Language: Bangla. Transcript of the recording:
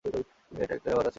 এটা একটা বাতাস বিতরণ চেম্বার।